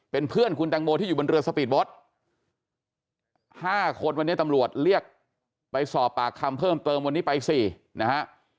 เป็นเพื่อนคุณแตงโมที่อยู่บนเรือสปีดโบ๊ท๕คนวันนี้ตำรวจเรียกไปสอบปากคำเพิ่มเติมวันนี้ไป๔นะฮะ